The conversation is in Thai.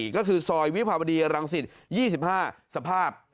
ก็คือซอยวิภาวดีรังสิต๒๕สภาพ